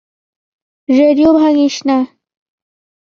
Radio ভাঙ্গিস না!